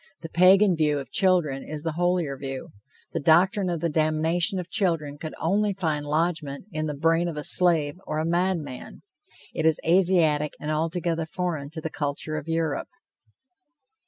The Pagan view of children is the holier view. The doctrine of the damnation of children could only find lodgment in the brain of a slave or a madman. It is Asiatic and altogether foreign to the culture of Europe.